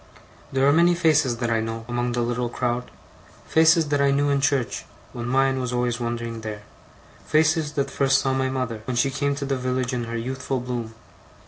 There are many faces that I know, among the little crowd; faces that I knew in church, when mine was always wondering there; faces that first saw my mother, when she came to the village in her youthful bloom.